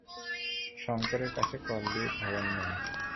শঙ্করের কাছে কল দিয়ে খবর নাও!